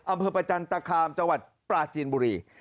อำเภอประจันตคามจังหวัดปลาจีนบุรี